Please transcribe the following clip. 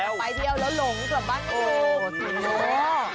ไปเดียวแล้วหลงกลับบ้างก็ดู